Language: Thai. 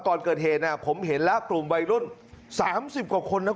ก่อนเกิดเหตุผมเห็นแล้วกลุ่มวัยรุ่น๓๐กว่าคนนะ